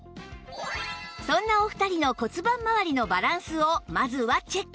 そんなお二人の骨盤まわりのバランスをまずはチェック